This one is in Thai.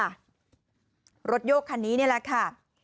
รถโยกคันนี้นี่แหละค่ะ